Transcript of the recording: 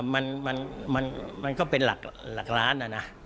มันก็เป็นหลักล้านนะนะ